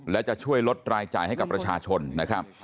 และจะช่วยลดรายจ่ายให้กับประชาชนนะครับ